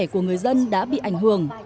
của người dân đã bị ảnh hưởng